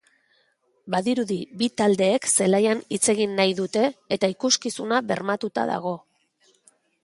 Badirudi bi taldeek zelaian hitz egin nahi dute eta ikuskizuna bermatuta dago.